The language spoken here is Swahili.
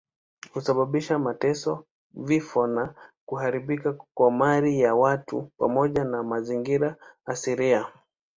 Husababisha mateso, vifo na kuharibika kwa mali ya watu pamoja na mazingira asilia.